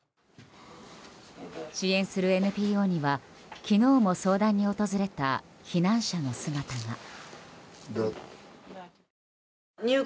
支援するＮＰＯには昨日も相談に訪れた避難者の姿が。